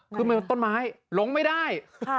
ขึ้นบนต้นไม้ลงไม่ได้